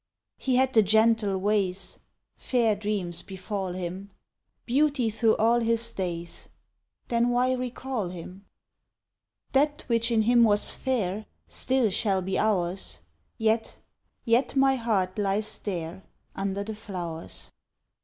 He had the gentle ways, Fair dreams befall him! Beauty through all his days, Then why recall him? That which in him was fair Still shall be ours: Yet, yet my heart lies there Under the flowers.